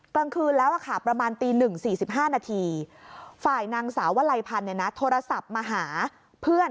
กลางคืนแล้วค่ะประมาณตี๑๔๕นาทีฝ่ายนางสาววลัยพันธ์โทรศัพท์มาหาเพื่อน